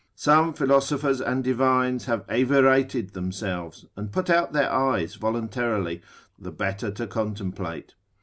Some philosophers and divines have evirated themselves, and put out their eyes voluntarily, the better to contemplate.